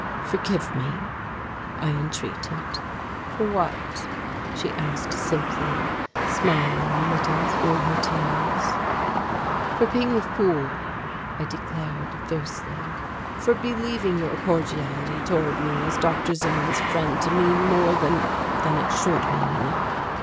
"Forgive me," I entreated. "For what?" she asked simply, smiling a little through her tears. "For being a fool," I declared fiercely, "for believing your cordiality toward me as Dr. Zimmern's friend to mean more than than it should mean."